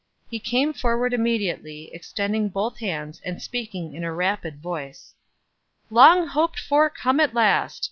He came forward immediately, extending both hands, and speaking in a rapid voice. "Long hoped for come at last!